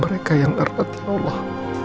mereka yang erat ya allah